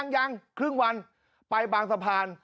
ยังครึ่งวันไปบางสะพาน